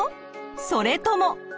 それとも！？